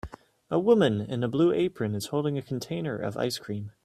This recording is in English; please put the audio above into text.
A woman in a blue apron is holding a container of ice cream